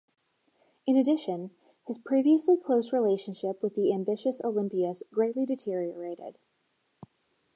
In addition, his previously close relationship with the ambitious Olympias greatly deteriorated.